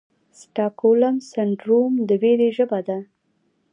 سټاکهولم سنډروم د ویرې ژبه ده.